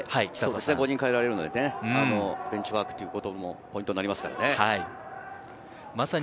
５人代えられるので、ベンチワークということもポイントになりますからね。